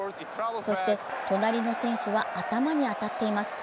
そして、隣の選手は頭に当たっています。